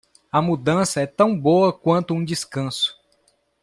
A mudança é tão boa quanto um descanso.